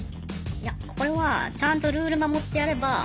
いやこれはちゃんとルール守ってやれば全く問題ないです。